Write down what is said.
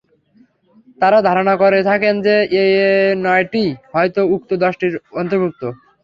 তারা ধারণা করে থাকেন যে, এ নয়টিই হয়ত উক্ত দশটির অন্তর্ভুক্ত।